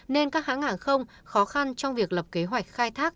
nên các hãng hàng không khó khăn trong việc lập kế hoạch khai thác